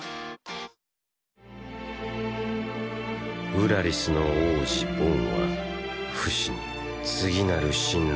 ウラリスの王子ボンはフシに次なる進路を指し示す。